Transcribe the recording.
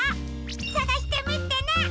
さがしてみてね！